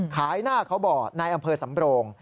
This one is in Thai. ขายหน้าเขาบอกในอำเภอสำโบรง